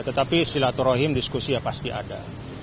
tetapi silaturahim diskusi ya pasti ada